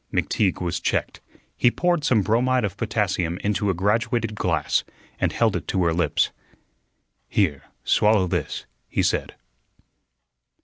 McTeague was checked. He poured some bromide of potassium into a graduated glass and held it to her lips. "Here, swallow this," he said.